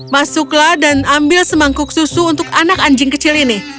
masuklah dan ambil semangkuk susu untuk anak anjing kecil ini